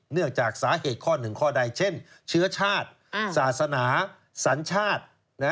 เนื่องจากสาเหตุข้อหนึ่งข้อใดเช่นเชื้อชาติศาสนาสัญชาติ